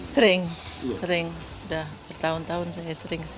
sering sering udah bertahun tahun saya sering kesini